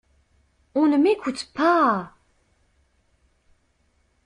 On ne m'écoute pas.